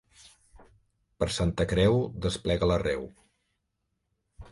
Per Santa Creu desplega l'arreu.